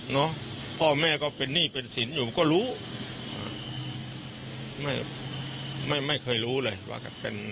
พ่อแม่ก็เป็นหนี้เป็นสินอยู่ก็รู้ไม่ไม่ไม่เคยรู้เลยว่าเป็น